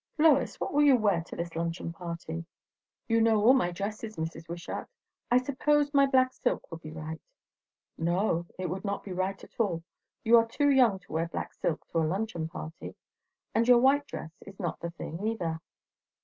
"Lois, what will you wear to this luncheon party?" "You know all my dresses, Mrs. Wishart. I suppose my black silk would be right." "No, it would not be right at all. You are too young to wear black silk to a luncheon party. And your white dress is not the thing either."